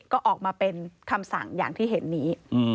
ก็ออกมาเป็นคำสั่งอย่างที่เห็นนี้